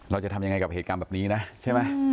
เราจะทำยังไงกับเหตุการณ์แบบนี้นะใช่ไหม